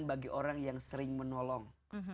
bagi orang yang sering menolong